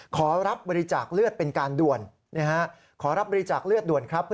ขอรับบริจาคเลือดเป็นการด่วนขอรับบริจาคเลือดด่วนครับ